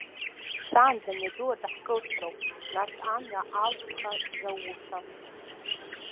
Шаанӡа амҩаду аҿы ҳкылсроуп, нас амҩа алԥха зауша!